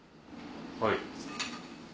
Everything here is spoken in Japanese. はい。